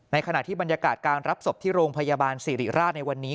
ขณะที่บรรยากาศการรับศพที่โรงพยาบาลสิริราชในวันนี้